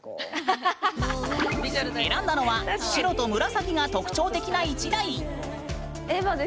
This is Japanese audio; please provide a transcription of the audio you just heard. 選んだのは白と紫が特徴的な１台。